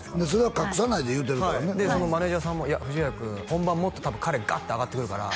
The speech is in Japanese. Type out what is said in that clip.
はいでそのマネージャーさんも「いや藤ヶ谷君本番もっと多分彼ガッて上がってくるから」